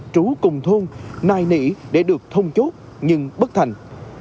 trú cùng thôn nài nỉ để được thông chốt nhưng bất thành